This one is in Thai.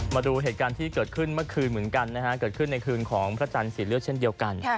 มาดูเหตุการณ์ที่เกิดขึ้นเมื่อคืนเหมือนกันนะฮะเกิดขึ้นในคืนของพระจันทร์สีเลือดเช่นเดียวกัน